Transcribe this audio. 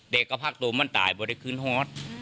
เด็กก็พักตัวมันตายบริขึ้นฮอต